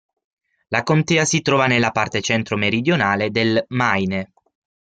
La contea si trova nella parte centro-meridionale del Maine.